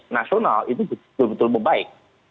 nasional itu betul betul membaik